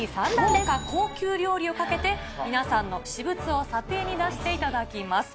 豪華高級料理を賭けて、皆さんの私物を査定に出していただきます。